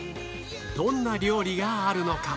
どんな料理があるのか？